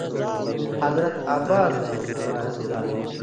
حضرت عباسَیں سِفارشی لا